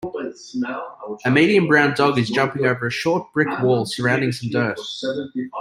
A medium brown dog is jumping over a short brick wall surrounding some dirt.